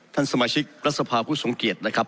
ท่านสมาชิกรัฐสภาผู้ทรงเกียจนะครับ